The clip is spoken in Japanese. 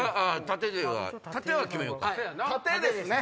縦ですね